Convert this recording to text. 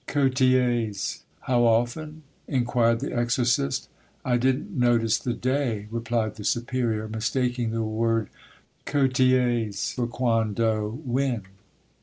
"Quoties?" (How often?), inquired the exorcist. "I didn't notice the day," replied the superior, mistaking the word quoties for quando (when).